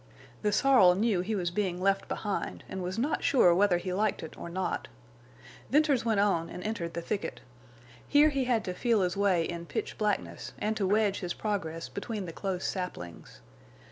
The sorrel knew he was being left behind, and was not sure whether he liked it or not. Venters went on and entered the thicket. Here he had to feel his way in pitch blackness and to wedge his progress between the close saplings.